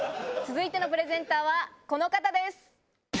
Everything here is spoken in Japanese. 続いてのプレゼンターはこの方です。